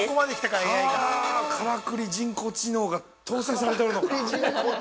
◆からくり人工知能が搭載されておるのか。